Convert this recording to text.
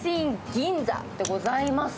銀座でございます。